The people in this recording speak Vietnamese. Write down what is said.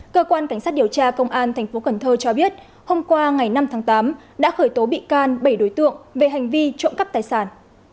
cơ quan cảnh sát điều tra công an tp cn cho biết hôm qua ngày năm tháng tám đã khởi tố bị can bảy đối tượng về hành vi trộm cắp tài sản